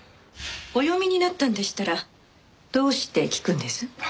お読みになったんでしたらどうして聞くんです？